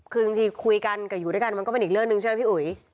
คือจริงคุยกันกับอยู่ด้วยกันมันก็เป็นอีกเรื่องหนึ่งใช่ไหมพี่อุ๋ย